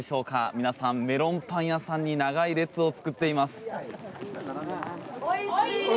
皆さん、メロンパン屋さんに長い列を作っています。